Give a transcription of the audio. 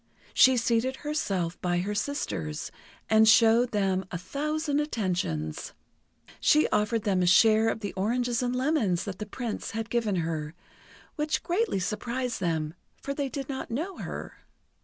She seated herself by her sisters, and showed them a thousand attentions. She offered them a share of the oranges and lemons that the Prince had given her, which greatly surprised them, for they did not know her.